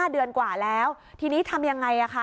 เดือนกว่าแล้วทีนี้ทำยังไงคะ